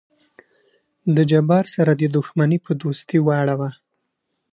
د جبار سره دې دښمني په دوستي واړو.